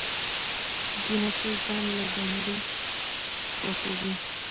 جينکۍ ځان له بنګړي خوښوي